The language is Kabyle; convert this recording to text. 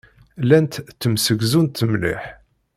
Llant ttemsegzunt mliḥ.